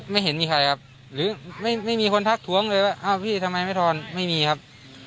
เห็นมีใครครับหรือไม่ไม่มีคนทักท้วงเลยว่าอ้าวพี่ทำไมไม่ทอนไม่มีครับ